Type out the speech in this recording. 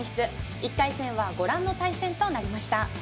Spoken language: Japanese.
１回戦はご覧の対戦となりました。